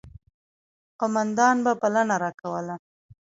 قوماندان به بلنه راکوله.